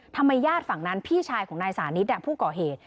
ญาติฝั่งนั้นพี่ชายของนายสานิทผู้ก่อเหตุ